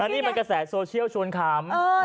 อันนี้เป็นกระแสโซเชียลชวนคำ